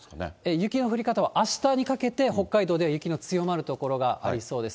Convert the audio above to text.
雪の降り方はあしたにかけて、北海道では雪の強まる所がありそうです。